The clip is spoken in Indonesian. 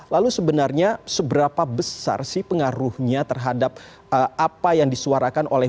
lalu sebenarnya seberapa besar sih pengaruhnya terhadap apa yang disuarakan oleh